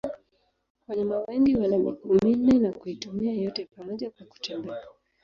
Wanyama wengi wana miguu minne na kuitumia yote pamoja kwa kutembea.